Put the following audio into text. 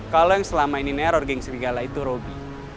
kalau yang selama ini neror geng serigala itu robby